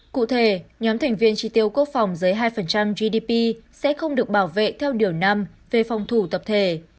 cụ thể nhóm thành viên tri tiêu quốc phòng dưới hai gdp sẽ không được bảo vệ theo điều năm về phòng thủ tập thể